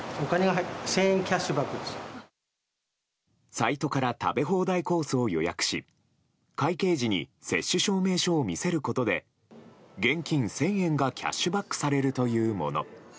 サイトから食べ放題コースを予約し会計時に接種証明書を見せることで現金１０００円がキャッシュバックされるというもの。